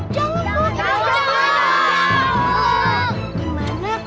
ya udah deh kak